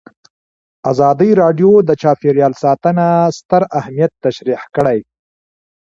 ازادي راډیو د چاپیریال ساتنه ستر اهميت تشریح کړی.